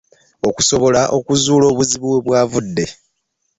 Okusobola okuzuula obuzibu we bwavudde.